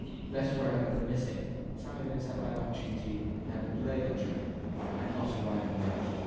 Letters were evidently missing. Some had been sent by an opportunity that had been delayed on the journey, and had not yet arrived in Rome.